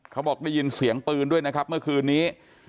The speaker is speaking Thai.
เขาบอกได้ยินเสียงปืนด้วยนะครับเมื่อคืนนี้